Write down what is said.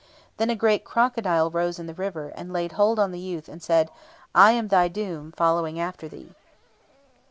Then a great crocodile rose in the river, and laid hold on the youth, and said, "I am thy doom, following after thee."